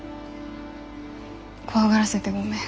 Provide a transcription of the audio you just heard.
怖がらせてごめん。